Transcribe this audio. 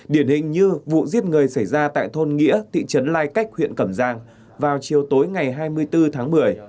điển hình như vụ giết người xảy ra tại thôn nghĩa thị trấn lai cách huyện cẩm giang vào chiều tối ngày hai mươi bốn tháng một mươi